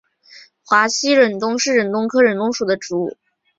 华西忍冬是忍冬科忍冬属的植物。